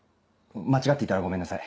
間違っていたらごめんなさい。